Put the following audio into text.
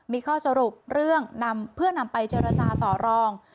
มีข้อสรุปเรื่องนำเพื่อนำไปเจรจาต่อรอง